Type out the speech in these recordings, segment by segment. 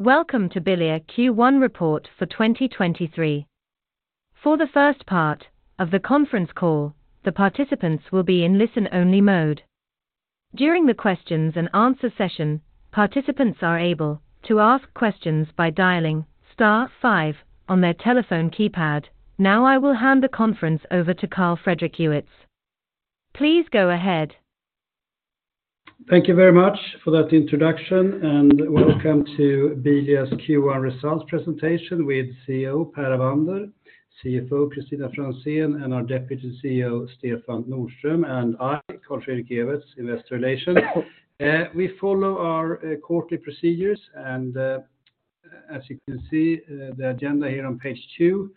Welcome to Bilia Q1 report for 2023. For the first part of the conference call, the participants will be in listen-only mode. During the questions and answer session, participants are able to ask questions by dialing star five on their telephone keypad. Now I will hand the conference over to Carl Fredrik Ewetz. Please go ahead. Thank you very much for that introduction. Welcome to Bilia's Q1 results presentation with CEO Per Avander, CFO Kristina Franzén, and our Deputy CEO Stefan Nordström, and I, Carl Fredrik Ewetz, investor relations. We follow our quarterly procedures, and as you can see, the agenda here on page two,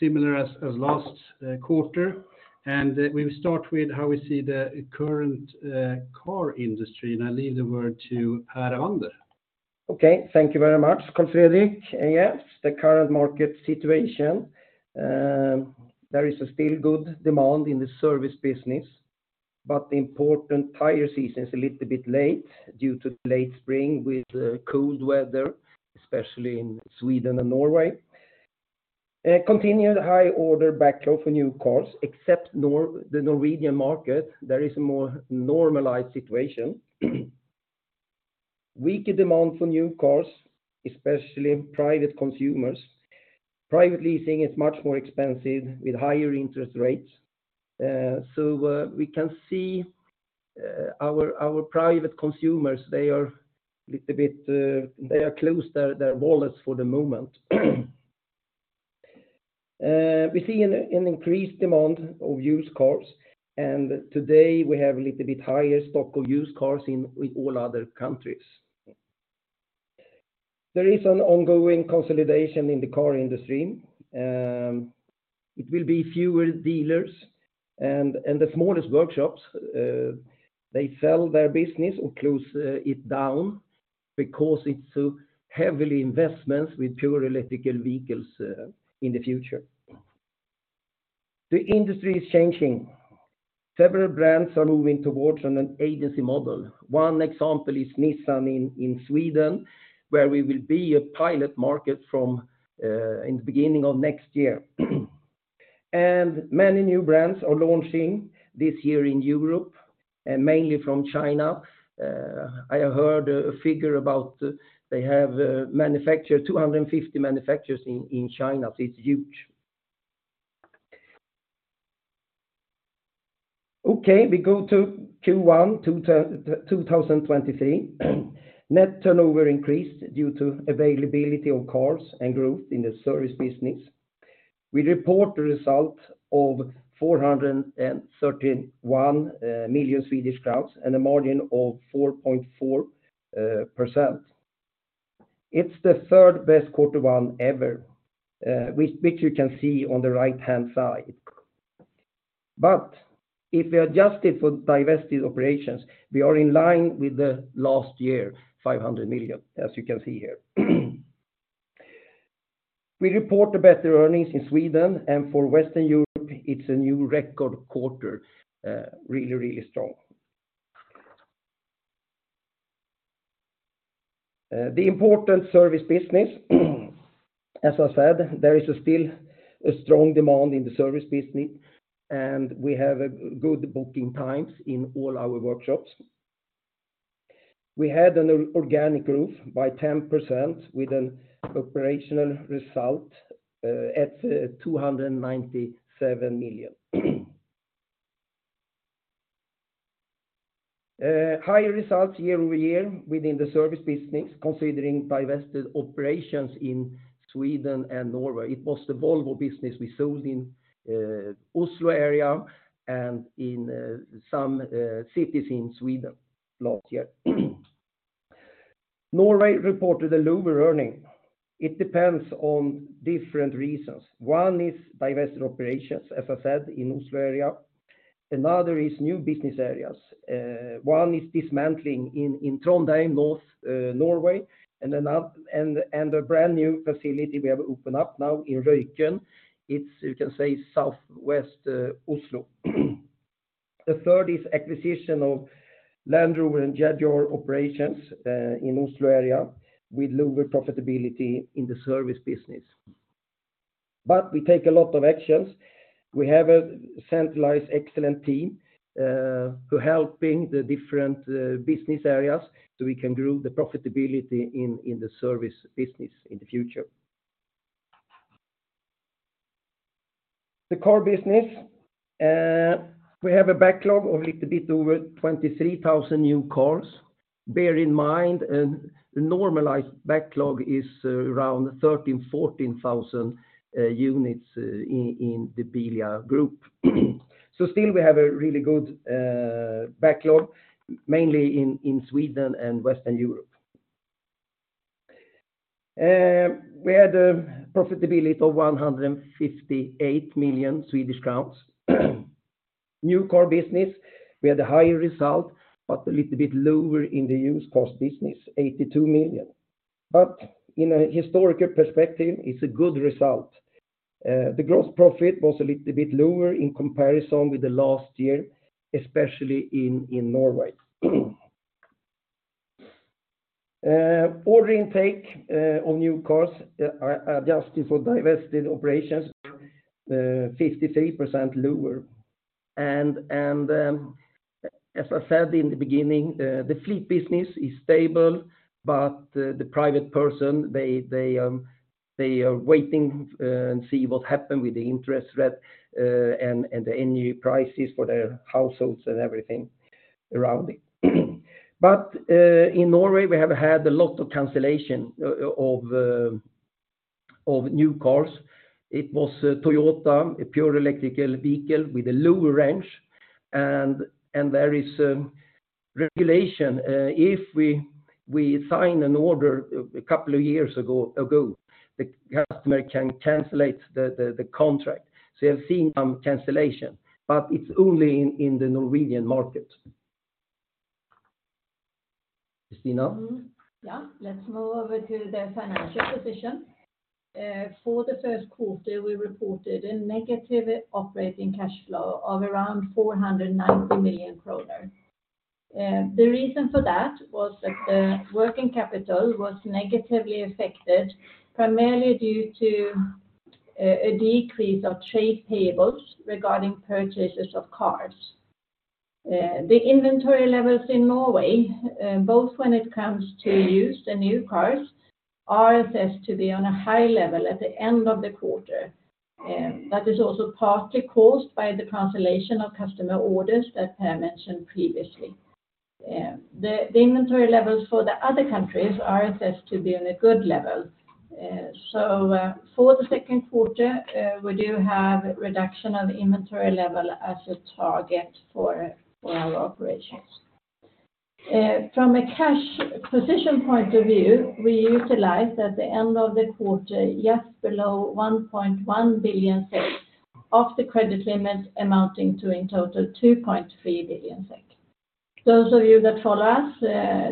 similar as last quarter. We will start with how we see the current car industry, and I leave the word to Per Avander. Okay. Thank you very much, Carl Fredrik. The current market situation. There is a still good demand in the service business, but the important tire season is a little bit late due to late spring with cold weather, especially in Sweden and Norway. Continued high order backlog for new cars, except the Norwegian market, there is a more normalized situation. Weaker demand for new cars, especially private consumers. Private leasing is much more expensive with higher interest rates. We can see our private consumers, they are little bit, they are closed their wallets for the moment. We see an increased demand of used cars, today we have a little bit higher stock of used cars in all other countries. There is an ongoing consolidation in the car industry. It will be fewer dealers and the smallest workshops, they sell their business or close it down because it's so heavily investments with pure electrical vehicles in the future. The industry is changing. Several brands are moving towards on an agency model. One example is Nissan in Sweden, where we will be a pilot market from in the beginning of next year. Many new brands are launching this year in Europe, mainly from China. I heard a figure about they have manufacturer, 250 manufacturers in China. It's huge. Okay. We go to Q1 2023. Net turnover increased due to availability of cars and growth in the service business. We report the result of 431 million Swedish crowns and a margin of 4.4%. It's the third best quarter one ever, which you can see on the right-hand side. If we adjust it for divested operations, we are in line with the last year, 500 million, as you can see here. We report better earnings in Sweden, and for Western Europe, it's a new record quarter. Really strong. The important service business. As I said, there is still a strong demand in the service business, and we have good booking times in all our workshops. We had an organic growth by 10% with an operational result at SEK 297 million. Higher results year-over-year within the service business considering divested operations in Sweden and Norway. It was the Volvo business we sold in Oslo area and in some cities in Sweden last year. Norway reported a lower earning. It depends on different reasons. One is divested operations, as I said, in Oslo area. Another is new business areas. One is dismantling in Trondheim, North Norway, and a brand-new facility we have opened up now in Røyken. It's, you can say, southwest Oslo. The third is acquisition of Land Rover and Jaguar operations in Oslo area with lower profitability in the service business. We take a lot of actions. We have a centralized excellent team who helping the different business areas, so we can grow the profitability in the service business in the future. The car business. We have a backlog of little bit over 23,000 new cars. Bear in mind a normalized backlog is around 13,000-14,000 units in the Bilia Group. Still we have a really good backlog, mainly in Sweden and Western Europe. We had a profitability of 158 million Swedish crowns. New car business, we had a higher result, but a little bit lower in the used cars business, 82 million. In a historical perspective, it's a good result. The gross profit was a little bit lower in comparison with the last year, especially in Norway. Order intake on new cars, adjusted for divested operations, 53% lower. As I said in the beginning, the fleet business is stable, but the private person, they are waiting and see what happen with the interest rate and the energy prices for their households and everything around it. In Norway, we have had a lot of cancellation of new cars. It was Toyota, a pure electrical vehicle with a lower range. There is regulation, if we sign an order a couple of years ago, the customer can cancelate the contract. We have seen some cancellation, but it's only in the Norwegian market. Kristina? Yeah. Let's move over to the financial position. For the first quarter, we reported a negative operating cash flow of around 490 million kronor. The reason for that was that the working capital was negatively affected, primarily due to a decrease of trade payables regarding purchases of cars. The inventory levels in Norway, both when it comes to used and new cars, are assessed to be on a high level at the end of the quarter. That is also partly caused by the cancellation of customer orders that Per mentioned previously. The inventory levels for the other countries are assessed to be on a good level. For the second quarter, we do have reduction of inventory level as a target for our operations. From a cash position point of view, we utilized at the end of the quarter just below 1.1 billion SEK of the credit limits amounting to in total 2.3 billion SEK. Those of you that follow us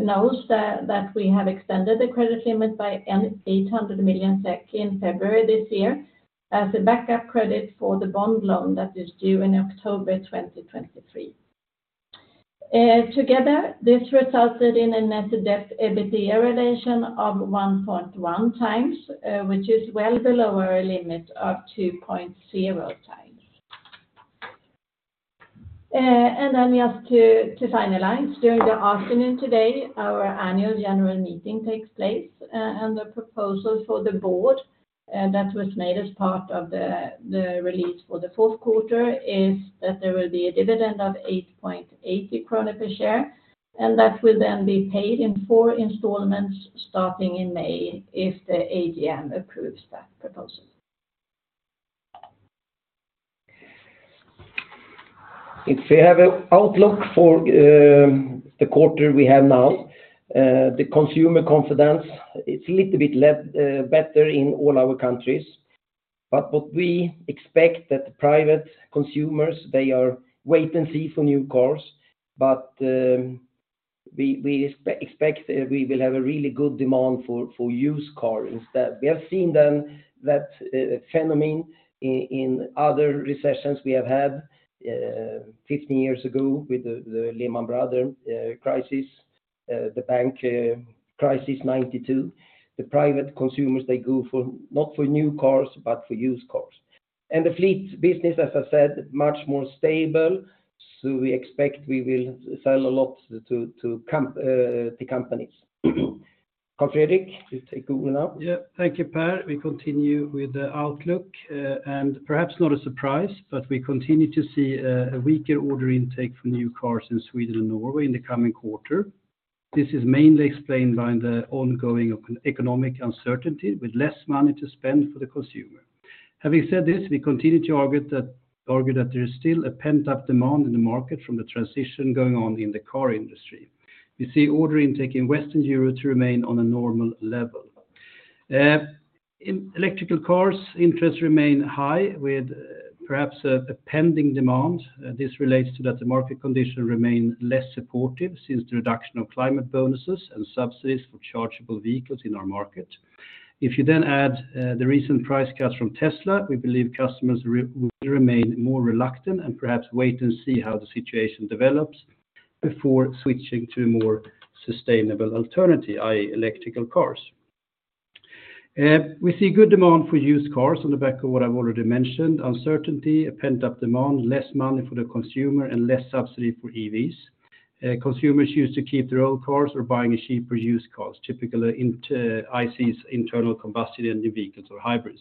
knows that we have extended the credit limit by 800 million SEK in February this year as a backup credit for the bond loan that is due in October 2023. Together, this resulted in a net debt EBITDA relation of 1.1 times, which is well below our limit of 2.0 times. Just to finalize, during the afternoon today, our annual general meeting takes place, and the proposal for the board that was made as part of the release for the fourth quarter, is that there will be a dividend of 8.80 krona per share, and that will then be paid in four installments starting in May if the AGM approves that proposal. If we have a outlook for the quarter we have now, the consumer confidence, it's a little bit better in all our countries. What we expect that private consumers, they are wait and see for new cars, but we expect we will have a really good demand for used cars instead. We have seen that phenomenon in other recessions we have had 15 years ago with the Lehman Brothers crisis, the bank crisis 1992. The private consumers, they go for not for new cars, but for used cars. The fleet business, as I said, much more stable, so we expect we will sell a lot to companies. Carl Fredrik, you take over now. Yeah. Thank you, Per. We continue with the outlook. Perhaps not a surprise, but we continue to see a weaker order intake for new cars in Sweden and Norway in the coming quarter. This is mainly explained by the ongoing economic uncertainty with less money to spend for the consumer. Having said this, we continue to argue that there is still a pent-up demand in the market from the transition going on in the car industry. We see order intake in Western Europe to remain on a normal level. In electrical cars, interest remain high with perhaps a pending demand. This relates to that the market condition remain less supportive since the reduction of climate bonus and subsidies for chargeable vehicles in our market. If you then add, the recent price cuts from Tesla, we believe customers will remain more reluctant and perhaps wait and see how the situation develops before switching to a more sustainable alternative, i.e. electrical cars. We see good demand for used cars on the back of what I've already mentioned, uncertainty, a pent-up demand, less money for the consumer and less subsidy for EVs. Consumers choose to keep their old cars or buying a cheaper used cars, typically ICE, internal combustion engine vehicles or hybrids.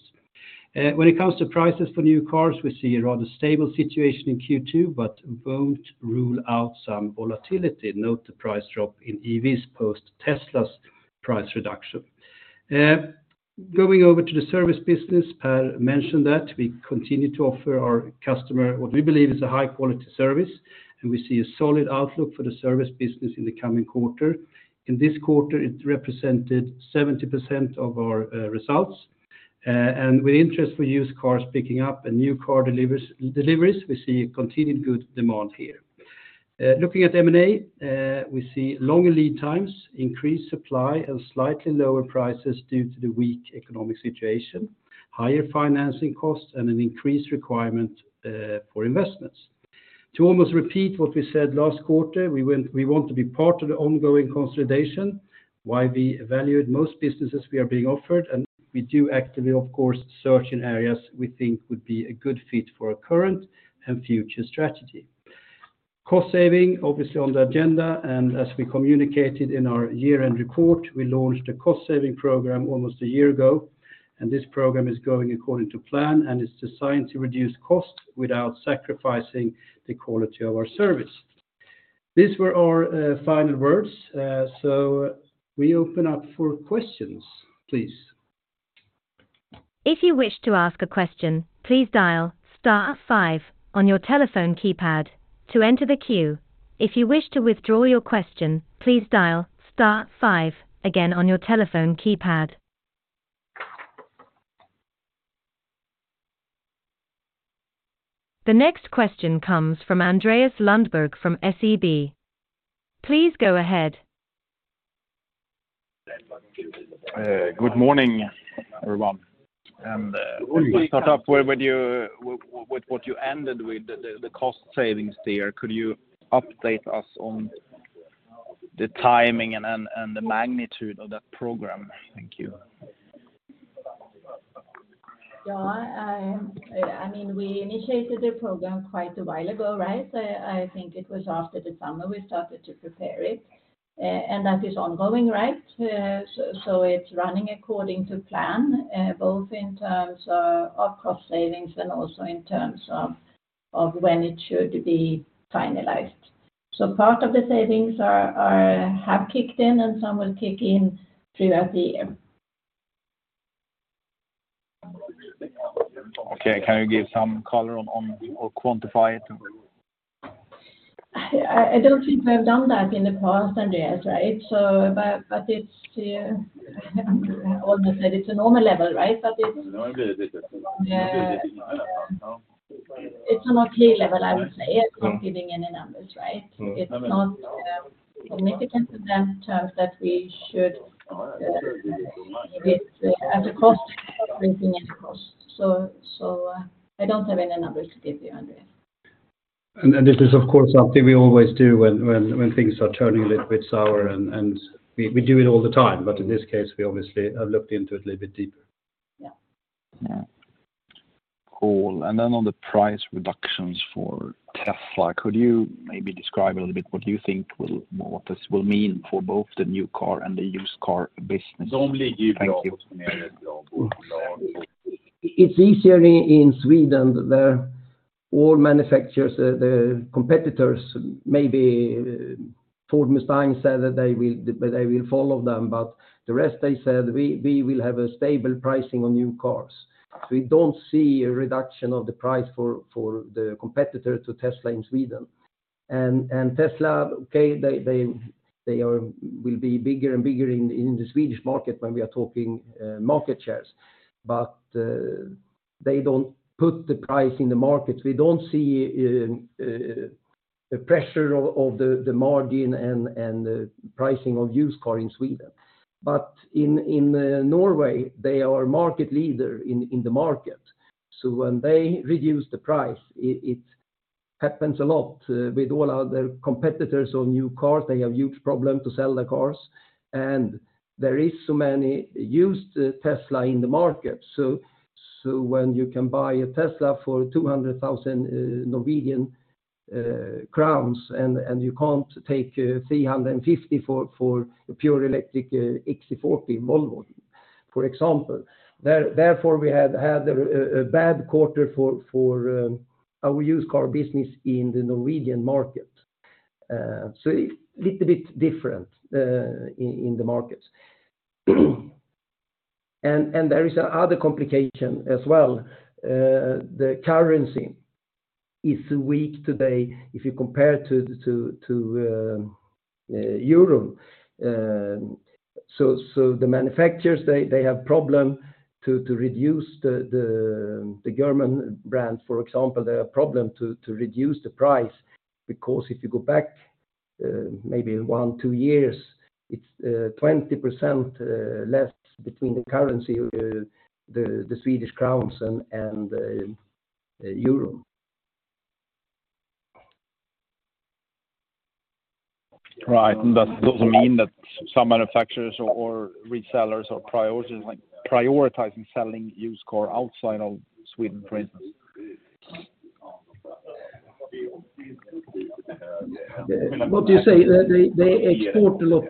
When it comes to prices for new cars, we see a rather stable situation in Q2, but won't rule out some volatility. Note the price drop in EVs post Tesla's price reduction. Going over to the service business, Per mentioned that we continue to offer our customer what we believe is a high-quality service, and we see a solid outlook for the service business in the coming quarter. In this quarter, it represented 70% of our results. With interest for used cars picking up and new car deliveries, we see a continued good demand here. Looking at M&A, we see longer lead times, increased supply, and slightly lower prices due to the weak economic situation, higher financing costs, and an increased requirement for investments. To almost repeat what we said last quarter, we want to be part of the ongoing consolidation, why we valued most businesses we are being offered, and we do actively, of course, search in areas we think would be a good fit for our current and future strategy. Cost saving, obviously on the agenda. As we communicated in our year-end report, we launched a cost-saving program almost a year ago, and this program is going according to plan, and it's designed to reduce costs without sacrificing the quality of our service. These were our final words. We open up for questions, please. If you wish to ask a question, please dial star five on your telephone keypad to enter the queue. If you wish to withdraw your question, please dial star five again on your telephone keypad. The next question comes from Andreas Lundberg from SEB. Please go ahead. Good morning, everyone. Let me start up with you with what you ended with the cost savings there. Could you update us on the timing and the magnitude of that program? Thank you. I mean, we initiated the program quite a while ago, right? I think it was after the summer we started to prepare it. That is ongoing, right? It's running according to plan, both in terms of cost savings and also in terms of when it should be finalized. Part of the savings have kicked in and some will kick in throughout the year. Okay. Can you give some color on or quantify it? I don't think we have done that in the past, Andreas, right? It's almost said it's a normal level, right? It's... No, it isn't. Yeah. It's on a clear level, I would say. It's not giving any numbers, right? Mm-hmm. It's not, significant in terms that we should, get at a cost, bringing any cost. I don't have any numbers to give you, Andreas. This is of course something we always do when things are turning a little bit sour and we do it all the time. In this case, we obviously have looked into it a little bit deeper. Yeah. Yeah. Cool. On the price reductions for Tesla, could you maybe describe a little bit what this will mean for both the new car and the used car business? Thank you. It's easier in Sweden. All manufacturers, the competitors, maybe Ford Mustang said that they will follow them, but the rest they said, "We will have a stable pricing on new cars." We don't see a reduction of the price for the competitor to Tesla in Sweden. Tesla, okay, they will be bigger and bigger in the Swedish market when we are talking market shares. They don't put the price in the market. We don't see the pressure of the margin and the pricing of used car in Sweden. In Norway, they are market leader in the market. When they reduce the price, it happens a lot with all other competitors on new cars. They have huge problem to sell the cars. There is so many used Tesla in the market. When you can buy a Tesla for 200,000 Norwegian crowns you can't take 350 for pure electric XC40 Volvo, for example. Therefore, we had a bad quarter for our used car business in the Norwegian market. It's little bit different in the markets. There is a other complication as well. The currency is weak today if you compare to Euro. The manufacturers, they have problem to reduce the German brands, for example, they have problem to reduce the price because if you go back, maybe one, two years, it's 20% less between the currency, the SEK and EUR. Right. That doesn't mean that some manufacturers or resellers are priorities like prioritizing selling used car outside of Sweden, for instance. What do you say? They export a lot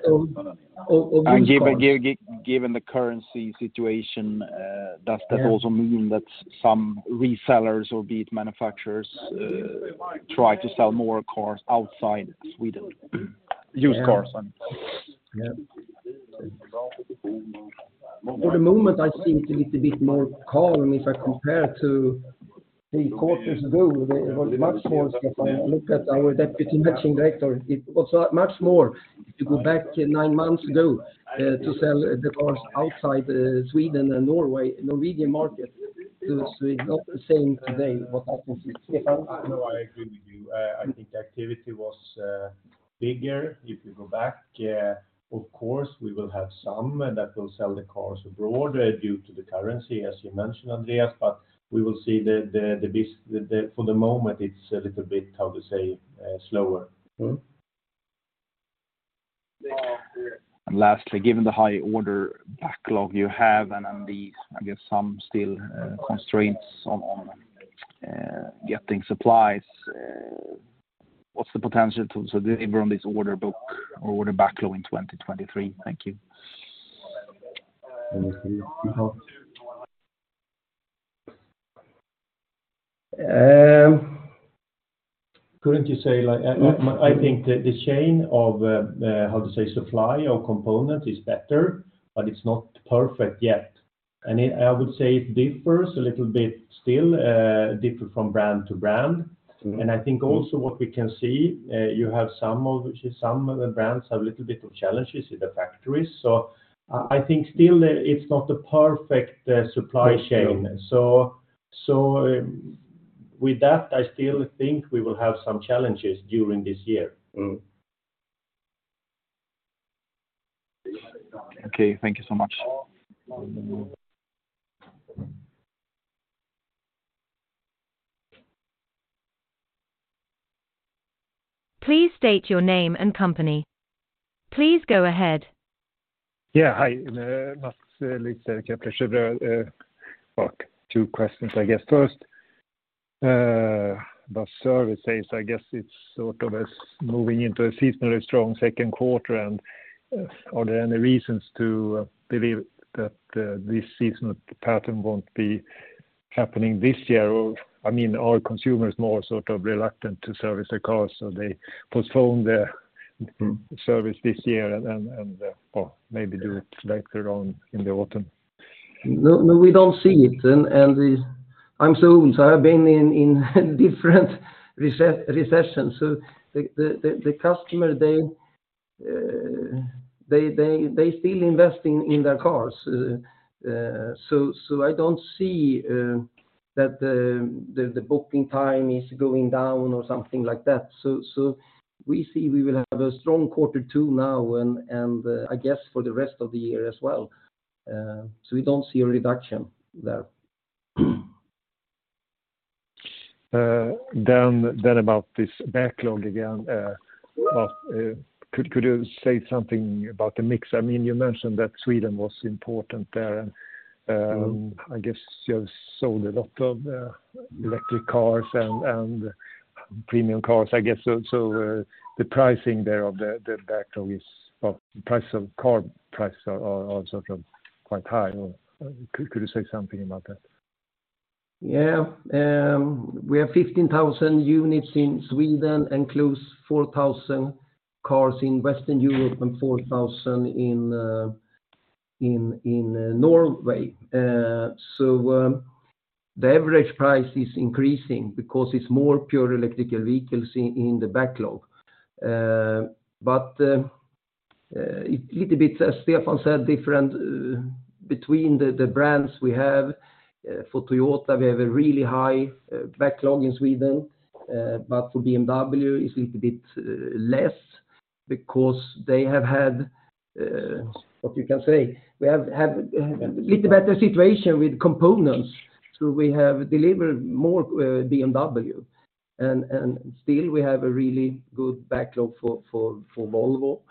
of used cars. Given the currency situation- Yeah -does that also mean that some resellers or be it manufacturers, try to sell more cars outside Sweden? Used cars, I mean. Yeah. For the moment, I think it's a bit more calm if I compare to three quarters ago. There was much more. If I look at our Deputy Managing Director, it was much more to go back nine months ago, to sell the cars outside, Sweden and Norway, Norwegian market. It's not the same today what happened with Stefan. No, I agree with you. I think activity was bigger. If you go back, of course, we will have some that will sell the cars abroad, due to the currency, as you mentioned, Andreas, but we will see the, for the moment, it's a little bit, how to say, slower. Mm-hmm. Lastly, given the high order backlog you have and the, I guess, some still, constraints on getting supplies, what's the potential to deliver on this order book or order backlog in 2023? Thank you. Uh. I think the chain of, how to say, supply or component is better, but it's not perfect yet. I would say it differs a little bit still, different from brand to brand. Mm-hmm. I think also what we can see, you have some of which is some of the brands have a little bit of challenges with the factories. I think still it's not a perfect supply chain. Supply. With that, I still think we will have some challenges during this year. Mm-hmm. Okay, thank you so much. Please state your name and company. Please go ahead. Hi. Well, two questions, I guess. First, about service sales, I guess it's sort of as moving into a seasonally strong second quarter, are there any reasons to believe that this seasonal pattern won't be happening this year? I mean, are consumers more sort of reluctant to service their cars, so they postpone their service this year and, or maybe do it later on in the autumn? No, we don't see it. I'm soon, so I've been in different recessions. The customer, they still investing in their cars. I don't see that the booking time is going down or something like that. We see we will have a strong quarter two now and I guess for the rest of the year as well. We don't see a reduction there. About this backlog again, could you say something about the mix? I mean, you mentioned that Sweden was important there. I guess you have sold a lot of electric cars and premium cars, I guess. The pricing there of the backlog is, or price of car prices are sort of quite high, or could you say something about that? Yeah. We have 15,000 units in Sweden and close 4,000 cars in Western Europe and 4,000 in Norway. The average price is increasing because it's more pure electrical vehicles in the backlog. But it little bit, as Stefan said, different between the brands we have. For Toyota, we have a really high backlog in Sweden. But for BMW, it's little bit less because they have had, what you can say? We have a little better situation with components. We have delivered more BMW. Still, we have a really good backlog for Volvo.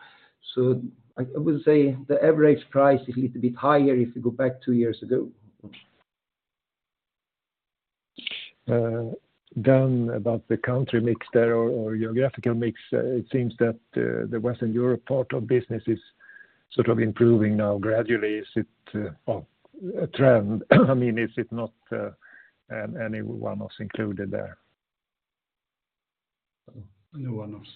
I would say the average price is little bit higher if you go back two years ago. About the country mix there or geographical mix, it seems that the Western Europe part of business is sort of improving now gradually. Is it, a trend? I mean, is it not any one-offs included there? No one-offs.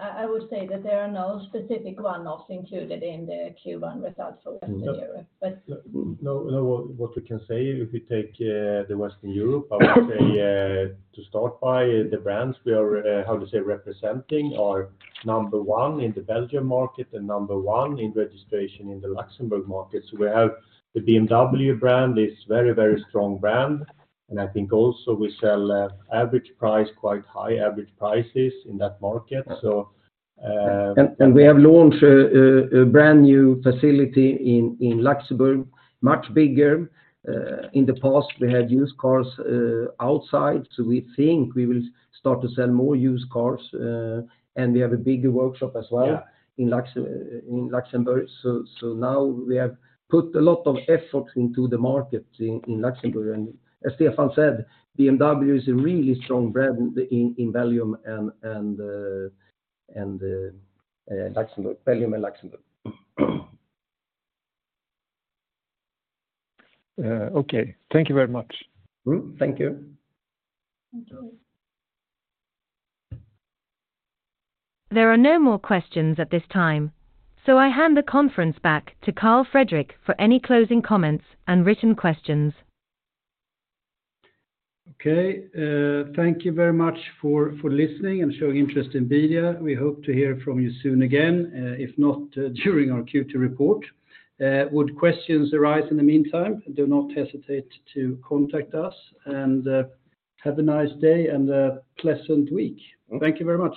I would say that there are no specific one-offs included in the Q1 results for Western Europe. No, no. What we can say, if we take the Western Europe, I would say, to start by the brands we are, how to say, representing are number one in the Belgium market and number one in registration in the Luxembourg markets. We have the BMW brand is very, very strong brand. I think also we sell average price, quite high average prices in that market. We have launched a brand new facility in Luxembourg, much bigger. In the past, we had used cars outside, so we think we will start to sell more used cars. We have a bigger workshop as well- Yeah -in Luxembourg. Now we have put a lot of effort into the market in Luxembourg. As Stefan said, BMW is a really strong brand in volume and Luxembourg, volume in Luxembourg. Okay. Thank you very much. Thank you. Thank you. There are no more questions at this time. I hand the conference back to Carl Fredrik for any closing comments and written questions. Okay. Thank you very much for listening and showing interest in Bilia. We hope to hear from you soon again, if not, during our Q2 report. Would questions arise in the meantime, do not hesitate to contact us. Have a nice day and a pleasant week. Thank you very much.